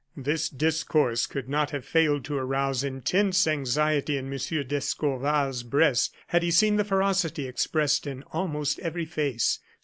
This discourse could not have failed to arouse intense anxiety in M. d'Escorval's breast had he seen the ferocity expressed on almost every face.